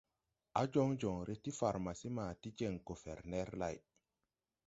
Á jɔŋ jɔŋre ti farmasi ma ti jeŋ goferner lay.